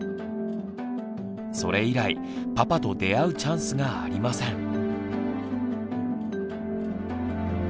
それ以来パパと出会うチャンスがありません。